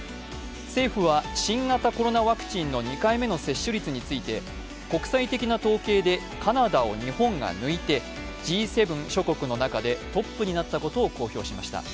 政府は新型コロナワクチンの２回目の接種率について国際的な統計でカナダを日本が抜いてＧ７諸国の中でトップになったことを公表しました。